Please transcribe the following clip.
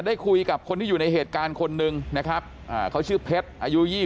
ได้คุยกับคนที่อยู่ในเหตุการณ์คนหนึ่งนะครับเขาชื่อเพชรอายุ๒๐